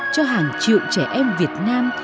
cho hàng triệu trẻ em việt nam